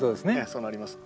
そうなります。